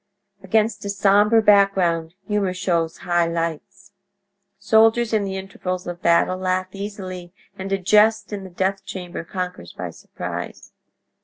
Against a sombre background humor shows high lights. Soldiers in the intervals of battle laugh easily, and a jest in the death chamber conquers by surprise.